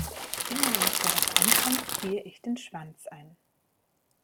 Immer wenn es darauf ankommt, ziehe ich den Schwanz ein.